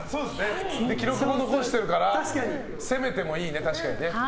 記録も残してるから攻めてもいいね、確かに。